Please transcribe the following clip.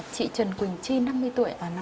chị trần quỳnh chi năm mươi tuổi ạ